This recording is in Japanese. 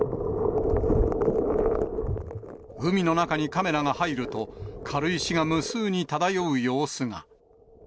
海の中にカメラが入ると、軽石が無数に漂う様子が。